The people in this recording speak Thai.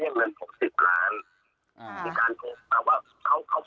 ตอนนี้มีแท็กที่เขาโทรเข้ามามีสายที่เขาโทรเข้ามา